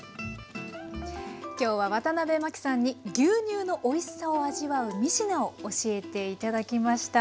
今日はワタナベマキさんに牛乳のおいしさを味わう３品を教えて頂きました。